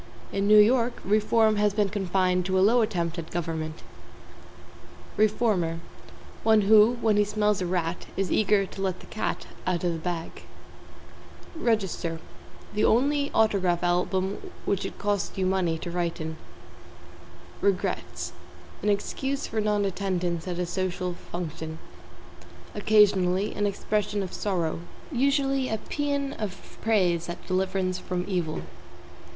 In New York, reform has been confined to a Low attempt at government. =REFORMER= One who, when he smells a rat, is eager to let the cat out of the bag. =REGISTER= The only autograph album which it costs you money to write in. =REGRETS= An excuse for non attendance at a social function. Occasionally, an expression of sorrow; usually, a paean of praise at deliverance from evil.